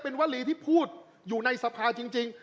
เป็นวลีที่พูดอยู่ในสภาจริง